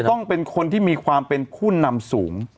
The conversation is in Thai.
ต้องเป็นคนที่มีความเป็นผู้นำสูง